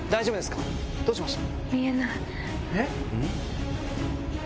どうしました？